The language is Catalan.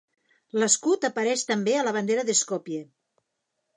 L'escut apareix també a la bandera de Skopje.